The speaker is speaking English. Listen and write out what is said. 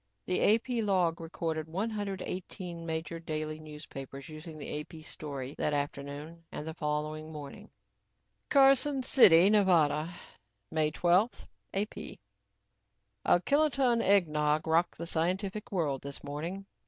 The AP log recorded one hundred eighteen major daily papers using the AP story that afternoon and the following morning: CARSON CITY, NEV., May 12 (AP) A kiloton eggnog rocked the scientific world this morning.